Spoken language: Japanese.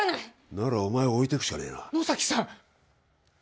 ならお前を置いてくしかねえな野崎さん！